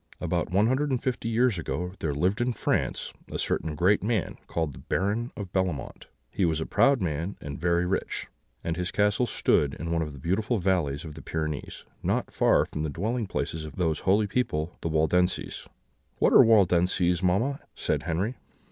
"About one hundred and fifty years ago, there lived in France a certain great man, called the Baron of Bellemont: he was a proud man, and very rich; and his castle stood in one of the beautiful valleys of the Pyrenees, not far from the dwelling places of those holy people the Waldenses." "What are Waldenses, mamma?" said Henry.